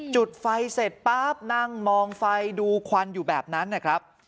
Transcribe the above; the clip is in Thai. จุดไฟเสร็จป๊าบนั่งมองไฟดูควันอยู่แบบนั้นนะครับ